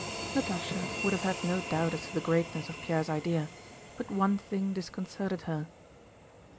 Natásha would have had no doubt as to the greatness of Pierre's idea, but one thing disconcerted her.